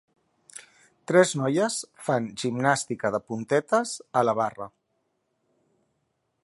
Tres noies fan gimnàstica de puntetes a la barra.